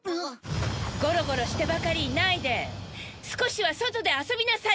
ゴロゴロしてばかりいないで少しは外で遊びなさい！